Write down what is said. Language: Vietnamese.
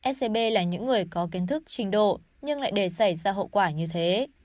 scb là những người có kiến thức trình độ nhưng lại để xảy ra hậu quả như thế